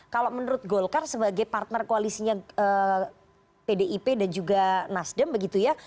kalau menurut golkar sebagai partner koalisinya pdip dan juga nasdem begitu ya